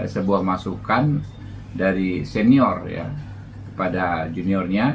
sebuah masukan dari senior ya kepada juniornya